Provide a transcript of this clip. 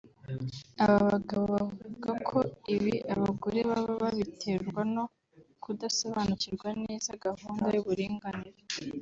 Aba bagabo bavuga ko ibi abagore baba babiterwa no kudasobanukirwa neza gahunda y’uburinganire